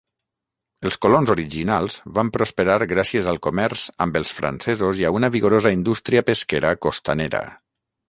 Els colons originals van prosperar gràcies al comerç amb els francesos i a una vigorosa indústria pesquera costanera.